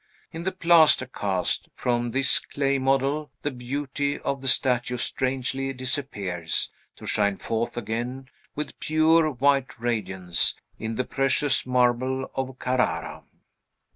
In the plaster cast, from this clay model, the beauty of the statue strangely disappears, to shine forth again with pure white radiance, in the precious marble of Carrara.